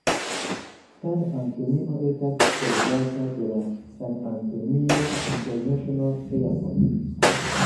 San-Antonio estas servata de la San Antonio International Airport.